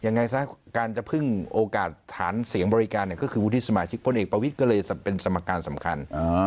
ยังไงซะการจะพึ่งโอกาสฐานเสียงบริการก็คือวุฒิสมาชิกพลเอกประวิทย์ก็เลยเป็นสมการสำคัญ